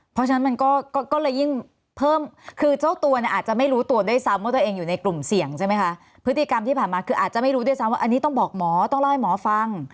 เพราะฉะนั้นมันก็เลยยิ่งเพิ่มคือเจ้าตัวเนี่ยอาจจะไม่รู้ตัวได้ซ้ำว่าตัวเองอยู่ในกลุ่มเสี่ยงใช่ไหมคะ